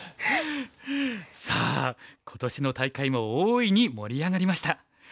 さあ今年の大会も大いに盛り上がりました。